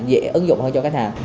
dễ ứng dụng hơn cho khách hàng